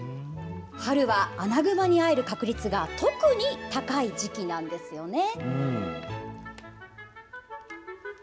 春はアナグマに会える確率が特に高い時期なんですよね。